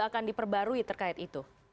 akan diperbarui terkait itu